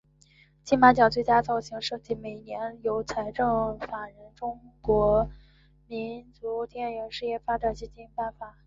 金马奖最佳造型设计每年由财团法人中华民国电影事业发展基金会颁发。